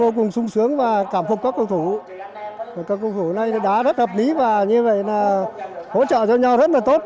tôi vô cùng sung sướng và cảm phục các công thủ các công thủ này đã rất hợp lý và như vậy là hỗ trợ cho nhau rất là tốt